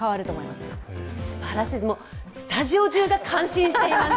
すばらしい、スタジオ中が感心しています。